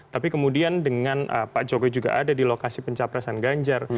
tapi kemudian dengan pak jokowi juga ada di lokasi pencapresan ganjar